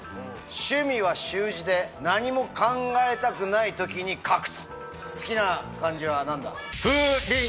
趣味は習字で何も考えたくない時に書く。